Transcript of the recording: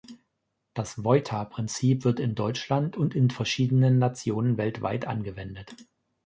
Das Vojta-Prinzip wird in Deutschland und in verschiedenen Nationen weltweit angewendet.